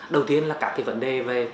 đầu tiên là các cái vấn đề về